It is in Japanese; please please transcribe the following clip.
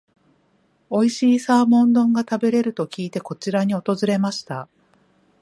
おいしいサーモン丼が食べれると聞いて、こちらに訪れました。